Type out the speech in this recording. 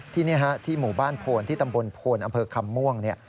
ที่นี่ที่หมู่บ้านโพนที่ตำบลโพนอำเภอคำม่วง